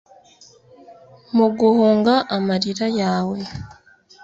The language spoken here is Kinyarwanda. mu guhunga amarira; yawe